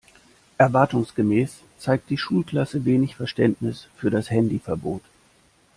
Erwartungsgemäß zeigt die Schulklasse wenig Verständnis für das Handyverbot.